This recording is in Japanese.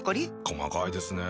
細かいですね。